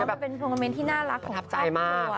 มันเป็นโทรเมนต์ที่น่ารักของครอบครัว